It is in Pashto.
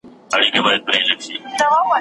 د اوښکو تر ګرېوانه به مي خپله لیلا راسي